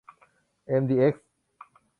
เอ็ม ดี เอ็กซ์